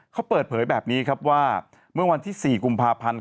เขาเปิดเผยแบบนี้ครับว่าเมื่อวันที่๔กุมภาพันธ์